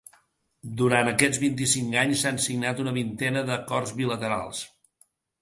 Durant aquests vint-i-cinc anys s’han signat una vintena d’acords bilaterals.